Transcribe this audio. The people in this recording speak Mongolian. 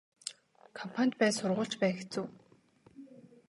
Компани ч бай сургууль ч бай хэцүү.